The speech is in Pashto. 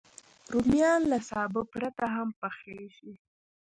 رومیان له سابه پرته هم پخېږي